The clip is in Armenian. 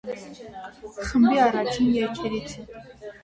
Խմբի առաջին երգերից է։